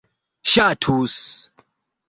ŝatus